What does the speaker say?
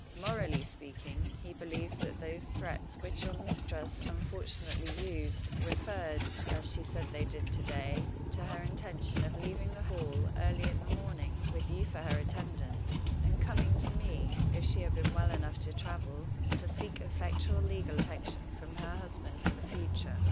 Morally speaking, he believes that those threats which your mistress unfortunately used referred (as she said they did to day) to her intention of leaving the Hall early in the morning, with you for her attendant, and coming to me, if she had been well enough to travel, to seek effectual legal protection from her husband for the future.